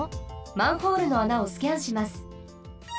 マンホールの穴をスキャンします。